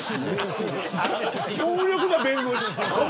強力な弁護士。